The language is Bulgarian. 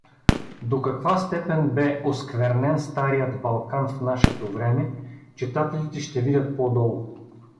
До каква степен бе осквернен старият Балкан в нашето време, читателите ще видят по-долу.